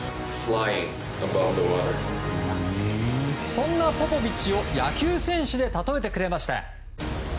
そんなポポビッチを野球選手で例えてくれました。